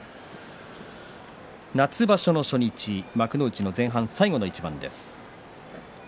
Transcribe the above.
夏場所の初日、幕内の前半最後の一番です。